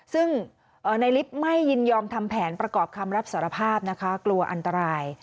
ซึ่งในลิฟต์ไม่ยินยอมทำแผนประกอบคำรับสารภาพนะคะกลัวอันตราย